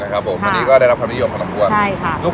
ครับผมคนนี้ก็ได้รับความทิ้งโยคของลังกวนใช่ครับ